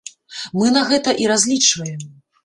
Мы на гэта і разлічваем.